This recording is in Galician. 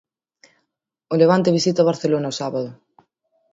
O Levante visita o Barcelona o sábado.